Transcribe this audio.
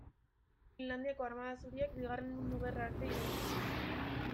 Finlandiako Armada Zuriak Bigarren Mundu Gerra arte iraun zuen.